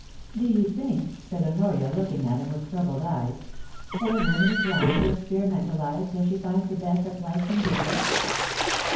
* Do you think,' said Honoria, looking at him with troubled eyes, *that a woman is wrong to experimentalise till she finds the best that life can give her